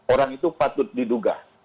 orang itu patut diduga